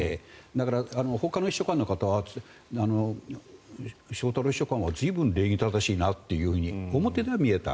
だからほかの秘書官の方は翔太郎秘書官は随分、礼儀正しいなと表では見えた。